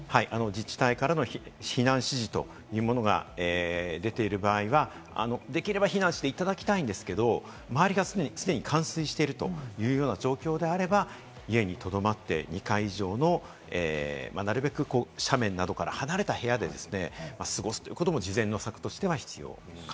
自治体からの避難指示というものが出てる場合はできれば避難していただきたいんですけれど、周りが既に冠水しているというような状況であれば、家に留まって、２階以上のなるべく斜面などから離れた部屋で過ごすということも次善の策としては必要かと。